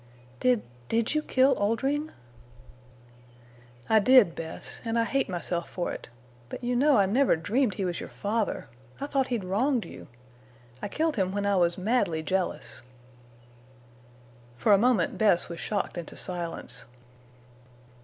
"Did—did you kill Oldring?" "I did, Bess, and I hate myself for it. But you know I never dreamed he was your father. I thought he'd wronged you. I killed him when I was madly jealous." For a moment Bess was shocked into silence.